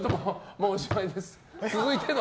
もうおしまいなの！